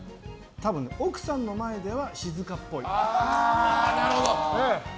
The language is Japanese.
多分、奥さんの前では静かっぽい。